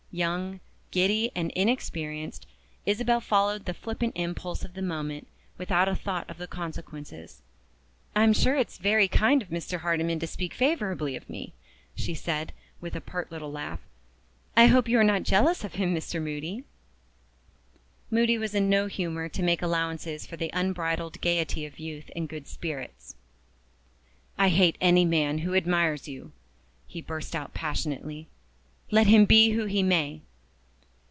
Young, giddy, and inexperienced, Isabel followed the flippant impulse of the moment, without a thought of the consequences. "I'm sure it's very kind of Mr. Hardyman to speak favorably of me," she said, with a pert little laugh. "I hope you are not jealous of him, Mr. Moody?" Moody was in no humor to make allowances for the unbridled gayety of youth and good spirits. "I hate any man who admires you," he burst out passionately, "let him be who he may!"